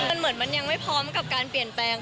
มันเหมือนมันยังไม่พร้อมกับการเปลี่ยนแปลง